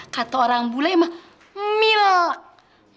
kato orang bule maksutnya milk